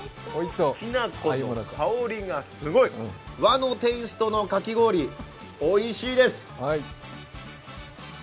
きなこの香りがすごい！和のテーストのかき氷おいしいです。